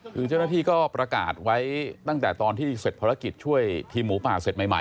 คือเจ้าหน้าที่ก็ประกาศไว้ตั้งแต่ตอนที่เสร็จภารกิจช่วยทีมหมูป่าเสร็จใหม่